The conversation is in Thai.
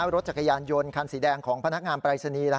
รถจักรยานยนต์คันสีแดงของพนักงานปรายศนีย์